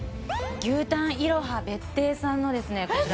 「牛タンいろ葉別邸」さんのですねえっ